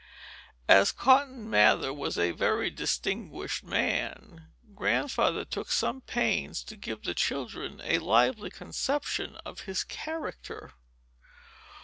As Cotton Mather was a very distinguished man, Grandfather took some pains to give the children a lively conception of his character.